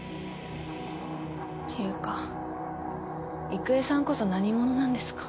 ていうか育恵さんこそ何者なんですか？